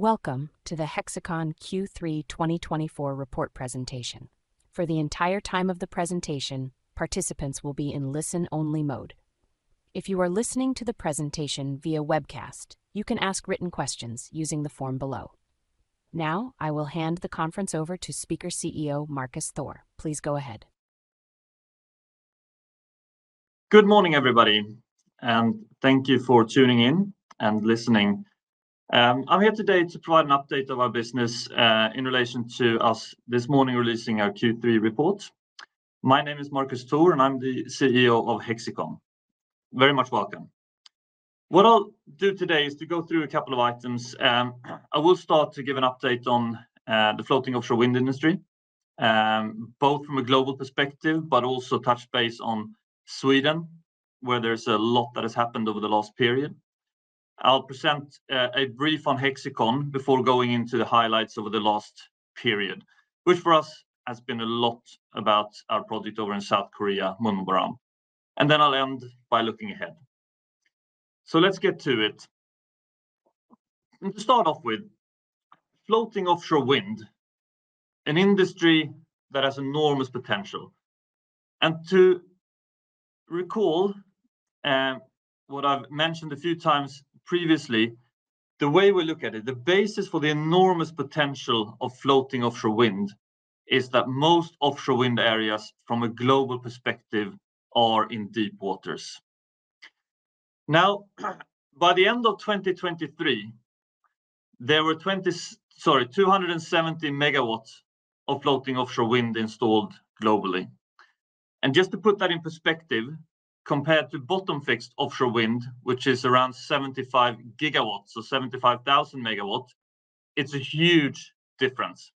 Welcome to the Hexicon Q3 2024 report presentation. For the entire time of the presentation, participants will be in listen-only mode. If you are listening to the presentation via webcast, you can ask written questions using the form below. Now, I will hand the conference over to Speaker CEO Marcus Thor. Please go ahead. Good morning, everybody, and thank you for tuning in and listening. I'm here today to provide an update of our business in relation to us this morning releasing our Q3 report. My name is Marcus Thor, and I'm the CEO of Hexicon. Very much welcome. What I'll do today is to go through a couple of items. I will start to give an update on the floating offshore wind industry, both from a global perspective, but also touch base on Sweden, where there's a lot that has happened over the last period. I'll present a brief on Hexicon before going into the highlights over the last period, which for us has been a lot about our project over in South Korea, MunmuBaram, and then I'll end by looking ahead. So let's get to it. To start off with, floating offshore wind, an industry that has enormous potential. To recall what I've mentioned a few times previously, the way we look at it, the basis for the enormous potential of floating offshore wind is that most offshore wind areas, from a global perspective, are in deep waters. Now, by the end of 2023, there were 270 Megawatts of floating offshore wind installed globally. Just to put that in perspective, compared to bottom-fixed offshore wind, which is around 75 gigawatt, so 75,000 Megawatt, it's a huge difference.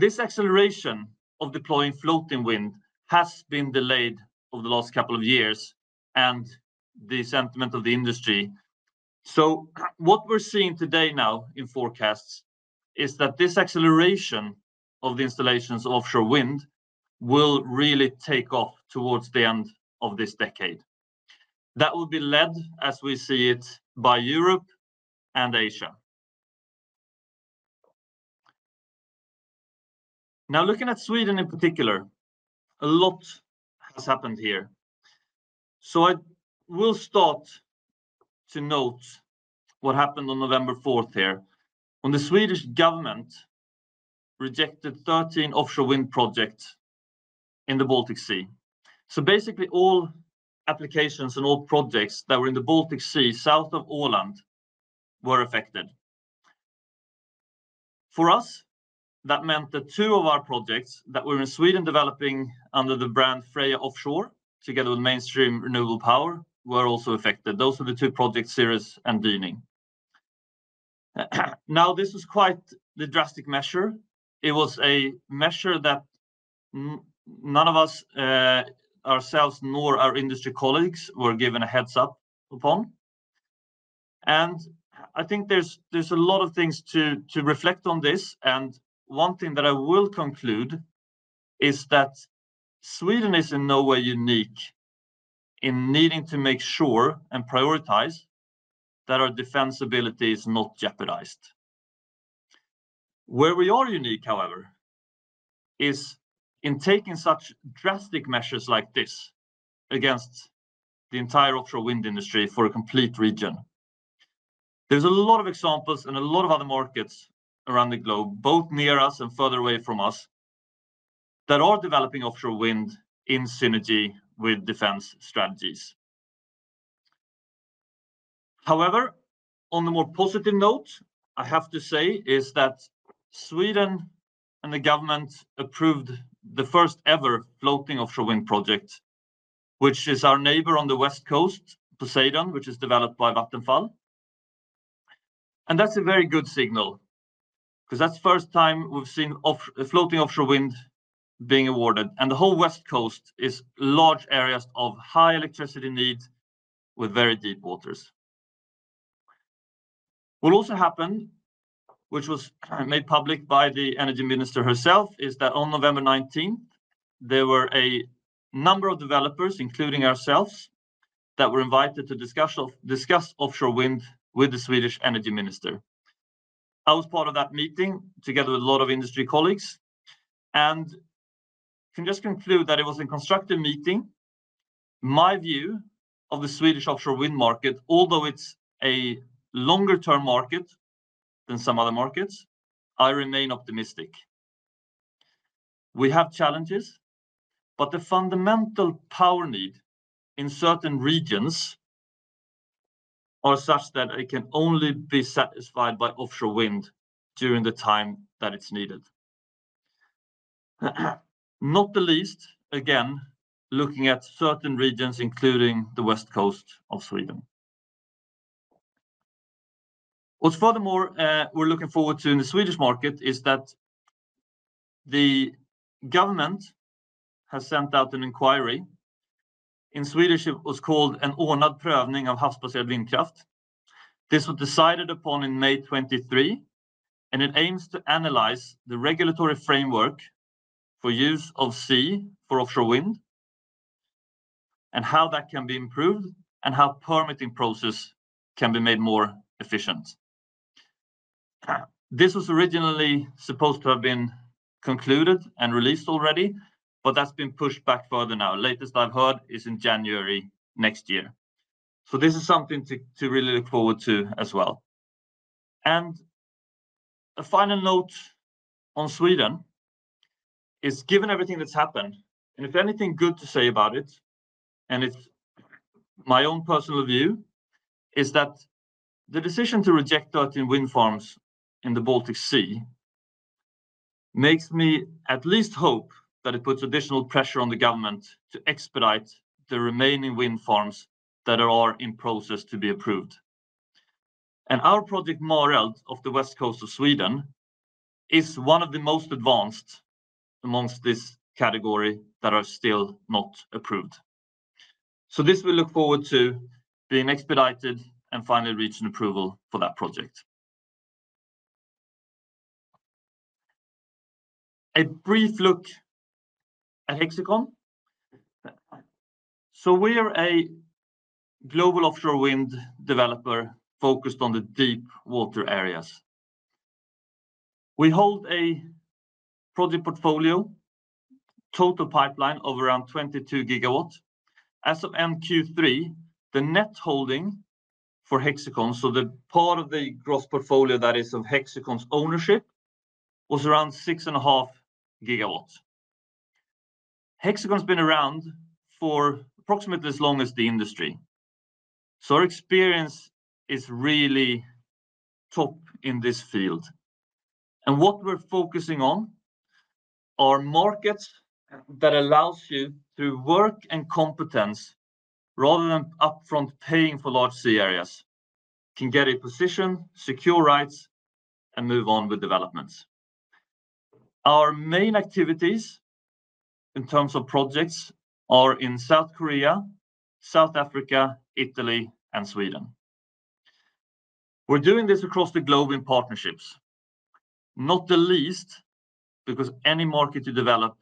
This acceleration of deploying floating wind has been delayed over the last couple of years, and the sentiment of the industry. What we're seeing today now in forecasts is that this acceleration of the installations of offshore wind will really take off towards the end of this decade. That will be led, as we see it, by Europe and Asia. Now, looking at Sweden in particular, a lot has happened here, so I will start to note what happened on November 4th here, when the Swedish government rejected 13 offshore wind projects in the Baltic Sea, so basically, all applications and all projects that were in the Baltic Sea south of Åland were affected. For us, that meant that two of our projects that were in Sweden developing under the brand Freya Offshore, together with Mainstream Renewable Power, were also affected. Those are the two projects, Cirrus and Dyning. Now, this was quite the drastic measure. It was a measure that none of us ourselves, nor our industry colleagues, were given a heads-up upon, and I think there's a lot of things to reflect on this. One thing that I will conclude is that Sweden is in no way unique in needing to make sure and prioritize that our defense ability is not jeopardized. Where we are unique, however, is in taking such drastic measures like this against the entire offshore wind industry for a complete region. There's a lot of examples in a lot of other markets around the globe, both near us and further away from us, that are developing offshore wind in synergy with defense strategies. However, on the more positive note, I have to say, is that Sweden and the government approved the first-ever floating offshore wind project, which is our neighbor on the West Coast, Poseidon, which is developed by Vattenfall. That's a very good signal, because that's the first time we've seen floating offshore wind being awarded. The whole West Coast is large areas of high electricity need with very deep waters. What also happened, which was made public by the energy minister herself, is that on November 19th, there were a number of developers, including ourselves, that were invited to discuss offshore wind with the Swedish energy minister. I was part of that meeting together with a lot of industry colleagues. I can just conclude that it was a constructive meeting. My view of the Swedish offshore wind market, although it's a longer-term market than some other markets, I remain optimistic. We have challenges, but the fundamental power need in certain regions are such that it can only be satisfied by offshore wind during the time that it's needed. Not the least, again, looking at certain regions, including the West Coast of Sweden. What furthermore we're looking forward to in the Swedish market is that the government has sent out an inquiry. In Swedish, it was called En ordnad prövning av havsbaserad vindkraft. This was decided upon in May 2023, and it aims to analyze the regulatory framework for use of sea for offshore wind, and how that can be improved, and how permitting processes can be made more efficient. This was originally supposed to have been concluded and released already, but that's been pushed back further now. Latest I've heard is in January next year. So this is something to really look forward to as well. A final note on Sweden is, given everything that's happened, and if anything good to say about it, and it's my own personal view, is that the decision to reject 13 wind farms in the Baltic Sea makes me at least hope that it puts additional pressure on the government to expedite the remaining wind farms that are in process to be approved. Our project Mareld off the West Coast of Sweden is one of the most advanced among this category that are still not approved. So to this we look forward to being expedited and finally reaching approval for that project. A brief look at Hexicon. So we're a global offshore wind developer focused on the deep water areas. We hold a project portfolio, total pipeline of around 22 gigawatt. As of Q3, the net holding for Hexicon, so the part of the gross portfolio that is of Hexicon's ownership, was around six and a half gigawatt. Hexicon's been around for approximately as long as the industry. So our experience is really top in this field. And what we're focusing on are markets that allow you to work and competence, rather than upfront paying for large sea areas, can get a position, secure rights, and move on with developments. Our main activities in terms of projects are in South Korea, South Africa, Italy, and Sweden. We're doing this across the globe in partnerships. Not the least, because any market you develop,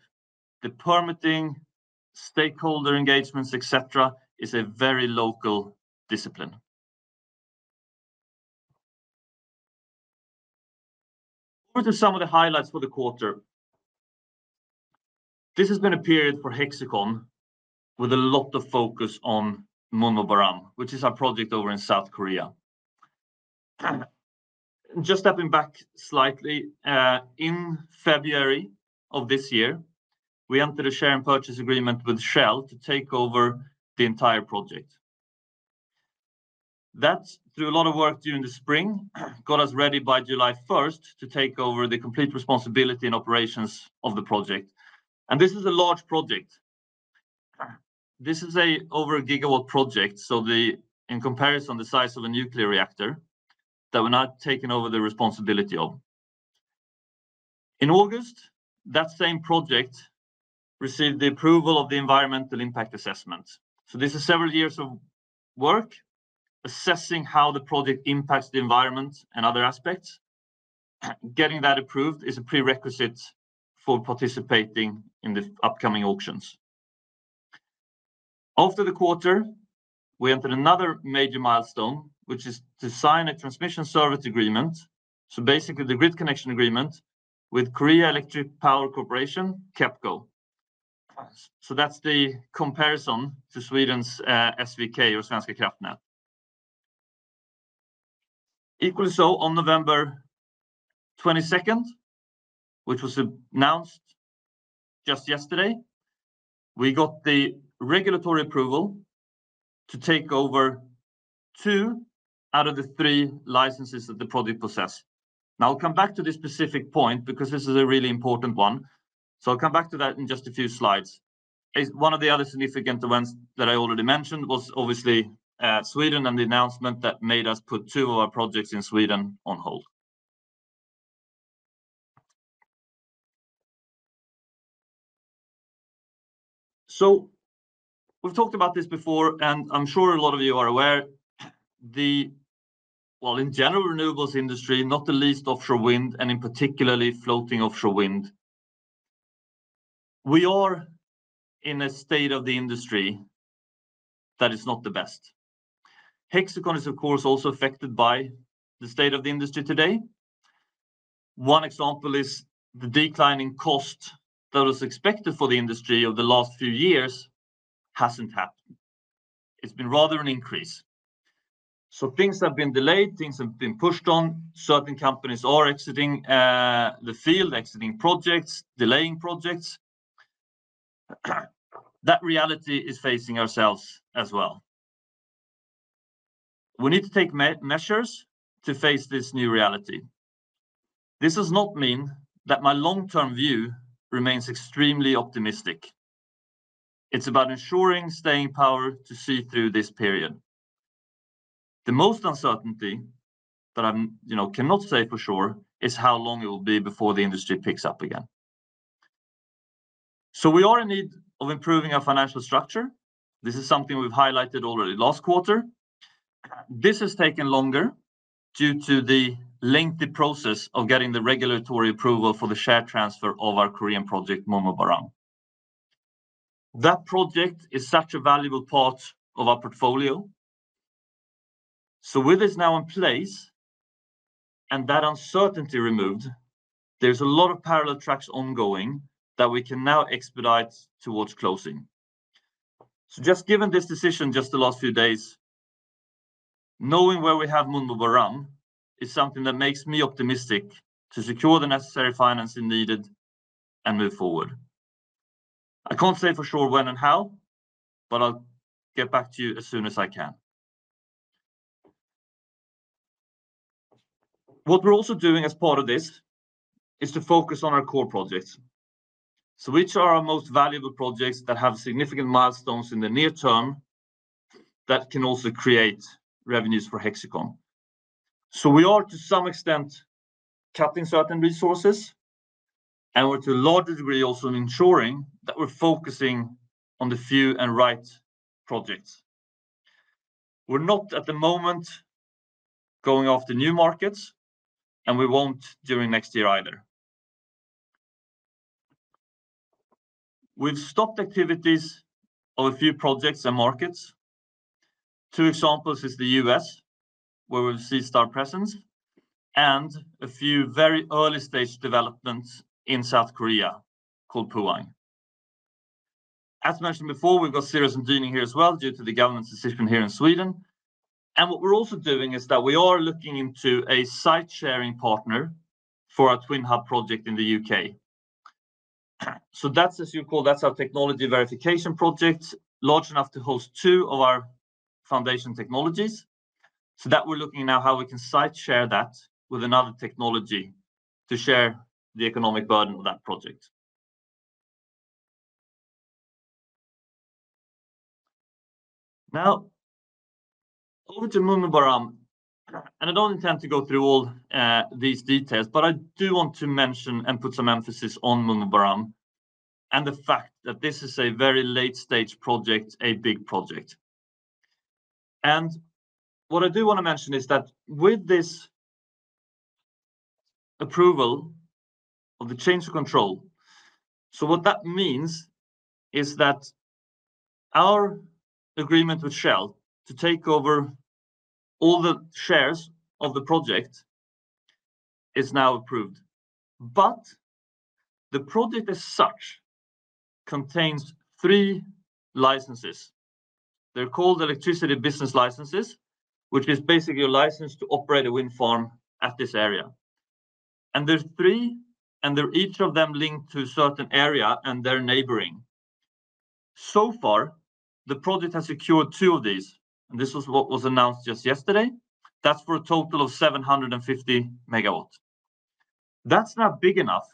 the permitting, stakeholder engagements, etc., is a very local discipline. Over to some of the highlights for the quarter. This has been a period for Hexicon with a lot of focus on MunmuBaram, which is our project over in South Korea. Just stepping back slightly, in February of this year, we entered a share and purchase agreement with Shell to take over the entire project. That's through a lot of work during the spring, got us ready by July 1st to take over the complete responsibility and operations of the project. And this is a large project. This is an over a gigawatt project, so in comparison, the size of a nuclear reactor that we're now taking over the responsibility of. In August, that same project received the approval of the environmental impact assessment. So this is several years of work assessing how the project impacts the environment and other aspects. Getting that approved is a prerequisite for participating in the upcoming auctions. After the quarter, we entered another major milestone, which is to sign a transmission service agreement, so basically the grid connection agreement with Korea Electric Power Corporation, KEPCO. So that's the comparison to Sweden's SVK or Svenska Kraftnät. Equally so, on November 22nd, which was announced just yesterday, we got the regulatory approval to take over two out of the three licenses that the project possessed. Now, I'll come back to this specific point because this is a really important one. So I'll come back to that in just a few slides. One of the other significant events that I already mentioned was obviously Sweden and the announcement that made us put two of our projects in Sweden on hold. So we've talked about this before, and I'm sure a lot of you are aware of the renewables industry, in general, not the least offshore wind, and in particular floating offshore wind. We are in a state of the industry that is not the best. Hexicon is, of course, also affected by the state of the industry today. One example is the declining cost that was expected for the industry over the last few years hasn't happened. It's been rather an increase. Things have been delayed, things have been pushed on. Certain companies are exiting the field, exiting projects, delaying projects. That reality is facing ourselves as well. We need to take measures to face this new reality. This does not mean that my long-term view remains extremely optimistic. It's about ensuring staying power to see through this period. The most uncertainty that I cannot say for sure is how long it will be before the industry picks up again. So we are in need of improving our financial structure. This is something we've highlighted already last quarter. This has taken longer due to the lengthy process of getting the regulatory approval for the share transfer of our Korean project, MunmuBaram. That project is such a valuable part of our portfolio. So with this now in place and that uncertainty removed, there's a lot of parallel tracks ongoing that we can now expedite towards closing. So just given this decision just the last few days, knowing where we have MunmuBaram is something that makes me optimistic to secure the necessary financing needed and move forward. I can't say for sure when and how, but I'll get back to you as soon as I can. What we're also doing as part of this is to focus on our core projects. So which are our most valuable projects that have significant milestones in the near term that can also create revenues for Hexicon? So we are to some extent cutting certain resources, and we're to a larger degree also ensuring that we're focusing on the few and right projects. We're not at the moment going after new markets, and we won't during next year either. We've stopped activities of a few projects and markets. Two examples is the U.S., where we've ceased our presence, and a few very early-stage developments in South Korea called Pohang. As mentioned before, we've got Cirrus and Dyning here as well due to the government's decision here in Sweden. And what we're also doing is that we are looking into a site-sharing partner for our TwinHub project in the U.K. So that's, as you call, that's our technology verification project, large enough to host two of our foundation technologies. So that we're looking now how we can site-share that with another technology to share the economic burden of that project. Now, over to MunmuBaram, and I don't intend to go through all these details, but I do want to mention and put some emphasis on MunmuBaram and the fact that this is a very late-stage project, a big project. And what I do want to mention is that with this approval of the change of control, so what that means is that our agreement with Shell to take over all the shares of the project is now approved. But the project as such contains three licenses. They're called electricity business licenses, which is basically a license to operate a wind farm at this area. There's three, and each of them linked to a certain area and their neighboring. So far, the project has secured two of these, and this was what was announced just yesterday. That's for a total of 750 Megawatt. That's not big enough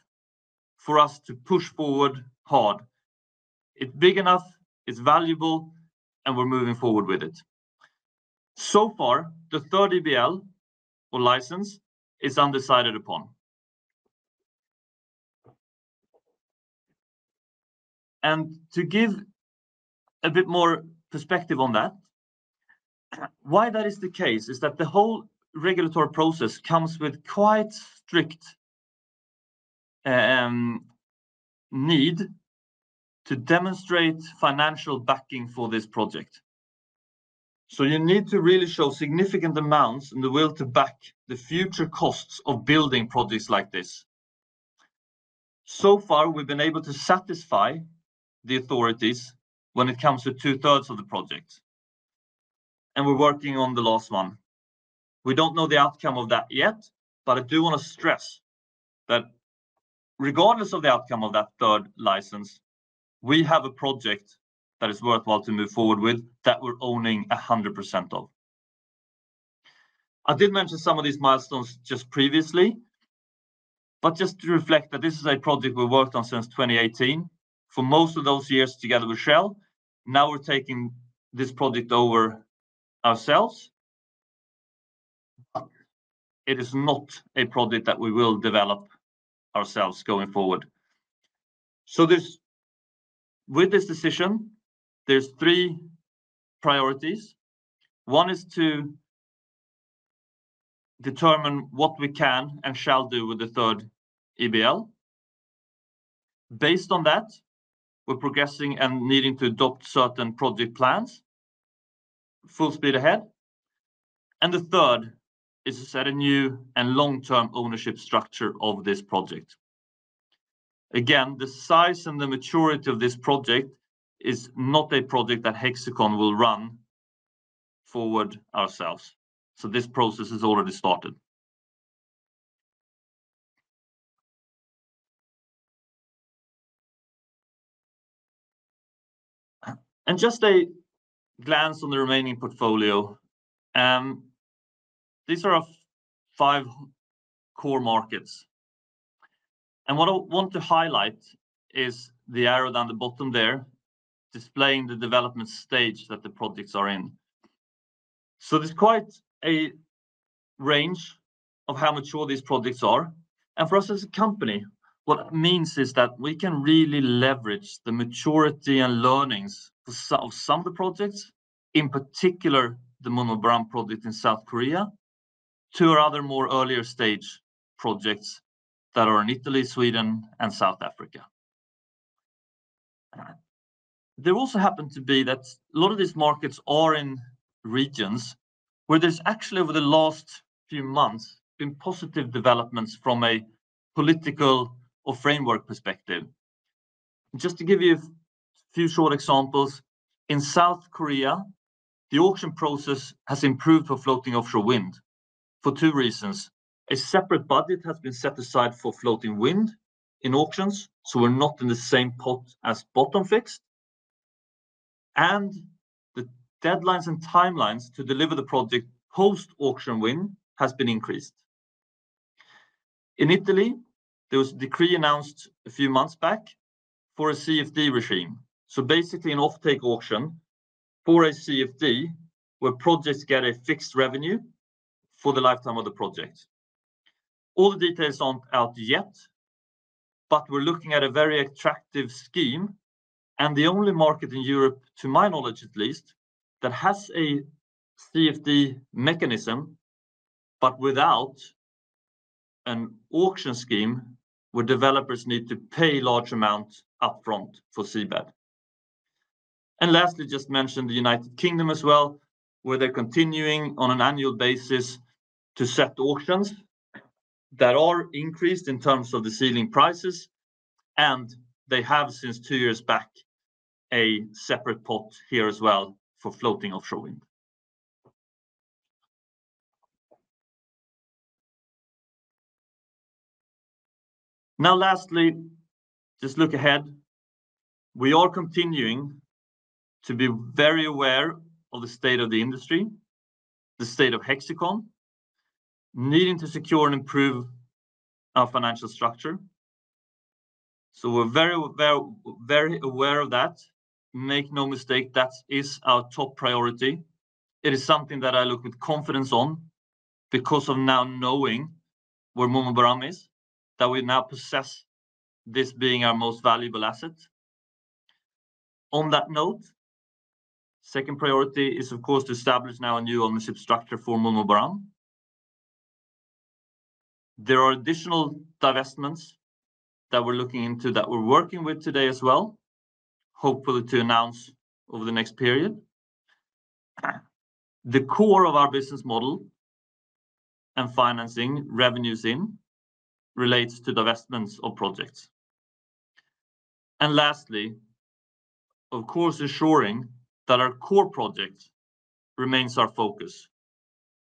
for us to push forward hard. It's big enough, it's valuable, and we're moving forward with it. So far, the EBL or license is undecided upon. To give a bit more perspective on that, why that is the case is that the whole regulatory process comes with quite strict need to demonstrate financial backing for this project. You need to really show significant amounts and the will to back the future costs of building projects like this. So far, we've been able to satisfy the authorities when it comes to two-thirds of the project, and we're working on the last one. We don't know the outcome of that yet, but I do want to stress that regardless of the outcome of that third license, we have a project that is worthwhile to move forward with that we're owning 100% of. I did mention some of these milestones just previously, but just to reflect that this is a project we've worked on since 2018. For most of those years together with Shell, now we're taking this project over ourselves. It is not a project that we will develop ourselves going forward. So with this decision, there's three priorities. One is to determine what we can and shall do with the third EBL. Based on that, we're progressing and needing to adopt certain project plans full speed ahead, and the third is to set a new and long-term ownership structure of this project. Again, the size and the maturity of this project is not a project that Hexicon will run forward ourselves. So this process has already started. And just a glance on the remaining portfolio. These are our five core markets. And what I want to highlight is the arrow down the bottom there displaying the development stage that the projects are in. So there's quite a range of how mature these projects are. And for us as a company, what it means is that we can really leverage the maturity and learnings of some of the projects, in particular the MunmuBaram project in South Korea, to our other more earlier stage projects that are in Italy, Sweden, and South Africa. There also happens to be that a lot of these markets are in regions where there's actually, over the last few months, been positive developments from a political or framework perspective. Just to give you a few short examples, in South Korea, the auction process has improved for floating offshore wind for two reasons. A separate budget has been set aside for floating wind in auctions, so we're not in the same pot as bottom fixed, and the deadlines and timelines to deliver the project post auction win have been increased. In Italy, there was a decree announced a few months back for a CFD regime, so basically, an off-take auction for a CFD where projects get a fixed revenue for the lifetime of the project. All the details aren't out yet, but we're looking at a very attractive scheme. And the only market in Europe, to my knowledge at least, that has a CFD mechanism, but without an auction scheme, where developers need to pay large amounts upfront for seabed. And lastly, just mentioned the U.K. as well, where they're continuing on an annual basis to set auctions that are increased in terms of the ceiling prices, and they have since two years back a separate pot here as well for floating offshore wind. Now, lastly, just look ahead. We are continuing to be very aware of the state of the industry, the state of Hexicon, needing to secure and improve our financial structure. So we're very aware of that. Make no mistake, that is our top priority. It is something that I look with confidence on because of now knowing where MunmuBaram is, that we now possess this being our most valuable asset. On that note, second priority is, of course, to establish now a new ownership structure for MunmuBaram. There are additional divestments that we're looking into that we're working with today as well, hopefully to announce over the next period. The core of our business model and financing revenues in relates to divestments of projects. And lastly, of course, ensuring that our core project remains our focus,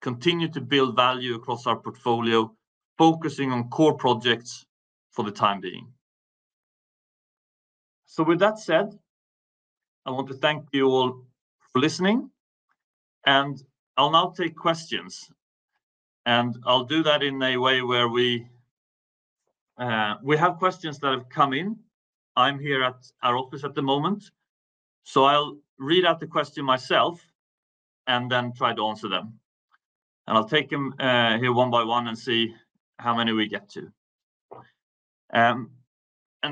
continue to build value across our portfolio, focusing on core projects for the time being. So with that said, I want to thank you all for listening, and I'll now take questions. And I'll do that in a way where we have questions that have come in. I'm here at our office at the moment, so I'll read out the question myself and then try to answer them. And I'll take them here one by one and see how many we get to.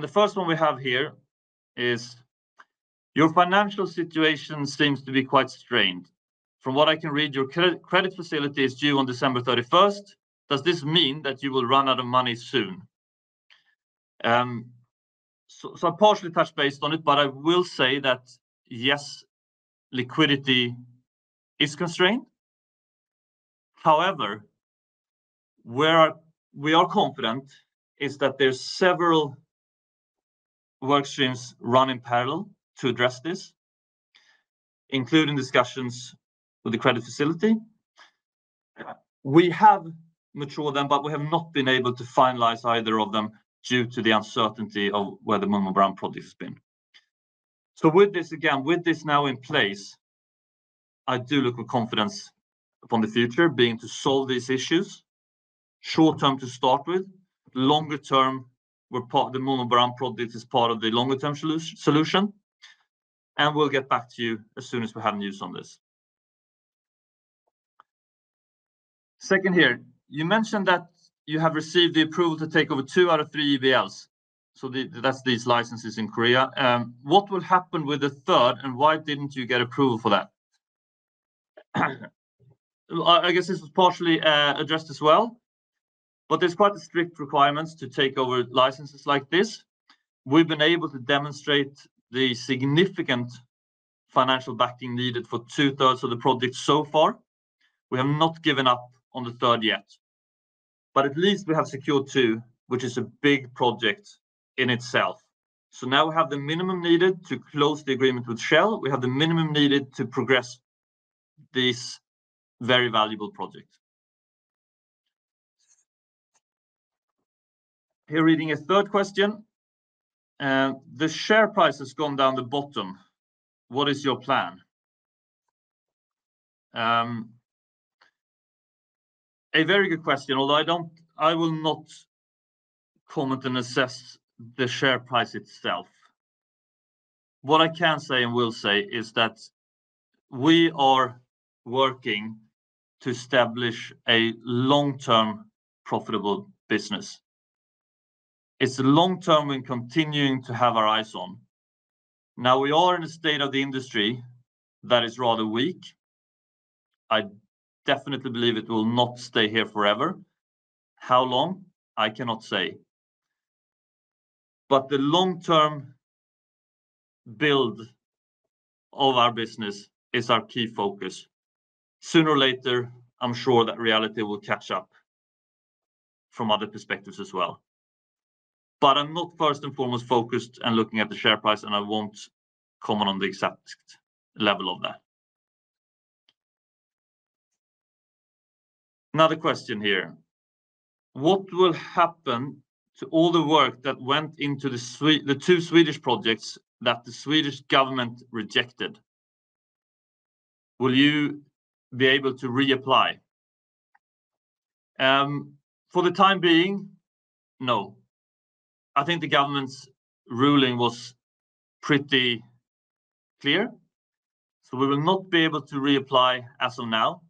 The first one we have here is, "Your financial situation seems to be quite strained. From what I can read, your credit facility is due on December 31st. Does this mean that you will run out of money soon?" I partially touched base on it, but I will say that yes, liquidity is constrained. However, where we are confident is that there are several workstreams running parallel to address this, including discussions with the credit facility. We have matured them, but we have not been able to finalize either of them due to the uncertainty of where the MunmuBaram project has been. With this, again, with this now in place, I do look with confidence upon the future being to solve these issues short term to start with. Longer term, the MunmuBaram project is part of the longer term solution. And we'll get back to you as soon as we have news on this. Second here, you mentioned that you have received the approval to take over two out of three EBLs. So that's these licenses in Korea. What will happen with the third, and why didn't you get approval for that? I guess this was partially addressed as well, but there's quite a strict requirement to take over licenses like this. We've been able to demonstrate the significant financial backing needed for two-thirds of the project so far. We have not given up on the third yet, but at least we have secured two, which is a big project in itself. So now we have the minimum needed to close the agreement with Shell. We have the minimum needed to progress this very valuable project. Here reading a third question. "The share price has gone down the bottom. What is your plan?" A very good question, although I will not comment and assess the share price itself. What I can say and will say is that we are working to establish a long-term profitable business. It's long-term we're continuing to have our eyes on. Now, we are in a state of the industry that is rather weak. I definitely believe it will not stay here forever. How long? I cannot say. But the long-term build of our business is our key focus. Sooner or later, I'm sure that reality will catch up from other perspectives as well. But I'm not first and foremost focused and looking at the share price, and I won't comment on the exact level of that. Another question here. "What will happen to all the work that went into the two Swedish projects that the Swedish government rejected? Will you be able to reapply?" For the time being, no. I think the government's ruling was pretty clear. So we will not be able to reapply as of now.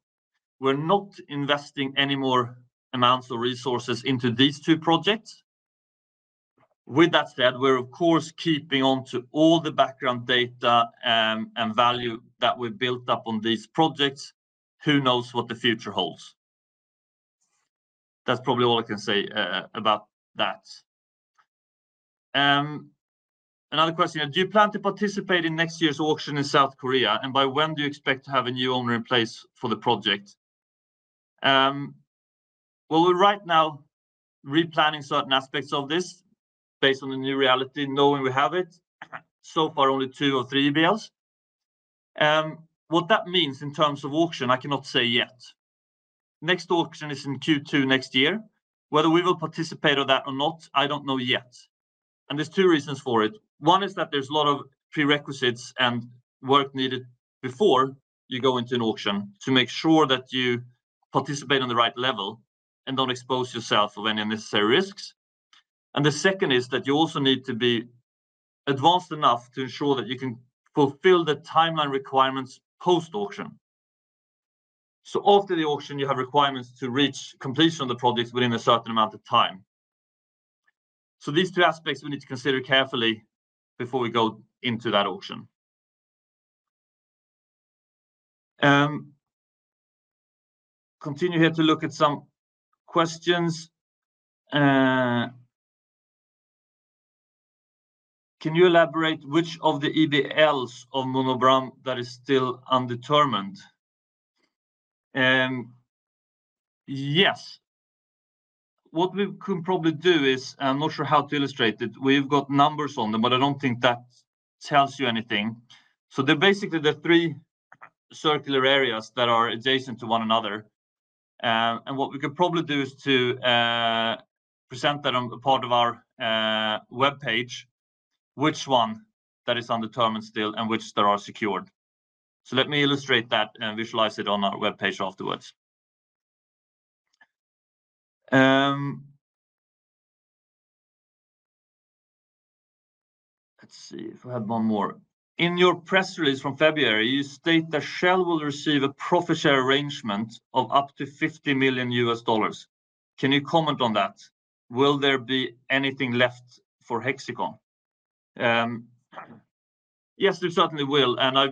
We're not investing any more amounts or resources into these two projects. With that said, we're, of course, keeping on to all the background data and value that we've built up on these projects. Who knows what the future holds? That's probably all I can say about that. Another question here. "Do you plan to participate in next year's auction in South Korea, and by when do you expect to have a new owner in place for the project?" Well, we're right now replanning certain aspects of this based on the new reality, knowing we have it. So far, only two or three EBLs. What that means in terms of auction, I cannot say yet. Next auction is in Q2 next year. Whether we will participate or that or not, I don't know yet. And there's two reasons for it. One is that there's a lot of prerequisites and work needed before you go into an auction to make sure that you participate on the right level and don't expose yourself of any unnecessary risks. And the second is that you also need to be advanced enough to ensure that you can fulfill the timeline requirements post auction. So after the auction, you have requirements to reach completion of the project within a certain amount of time. So these two aspects we need to consider carefully before we go into that auction. Continue here to look at some questions. "Can you elaborate which of the EBLs of MunmuBaram that is still undetermined?" Yes. What we can probably do is, and I'm not sure how to illustrate it, we've got numbers on them, but I don't think that tells you anything. So they're basically the three circular areas that are adjacent to one another. And what we could probably do is to present that on the part of our web page, which one that is undetermined still and which that are secured. So let me illustrate that and visualize it on our web page afterwards. Let's see if we have one more. "In your press release from February, you state that Shell will receive a profit share arrangement of up to $50 million. Can you comment on that? Will there be anything left for Hexicon?" Yes, there certainly will. I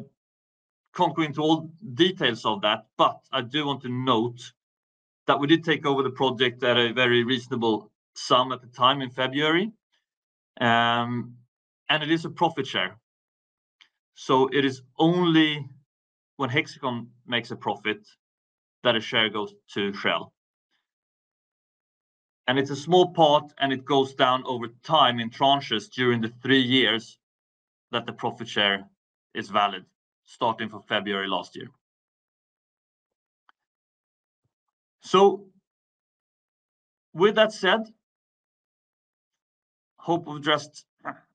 can't go into all details of that, but I do want to note that we did take over the project at a very reasonable sum at the time in February, and it is a profit share. It is only when Hexicon makes a profit that a share goes to Shell. It's a small part, and it goes down over time in tranches during the three years that the profit share is valid, starting from February last year. With that said, hope we've addressed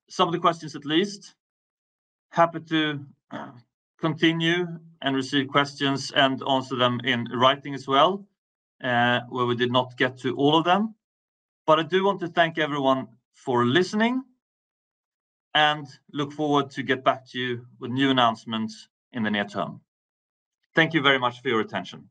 some of the questions at least. Happy to continue and receive questions and answer them in writing as well, where we did not get to all of them. I do want to thank everyone for listening and look forward to get back to you with new announcements in the near term. Thank you very much for your attention.